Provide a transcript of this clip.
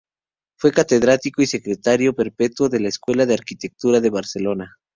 Fue catedrático y secretario perpetuo de la Escuela de Arquitectura de Barcelona.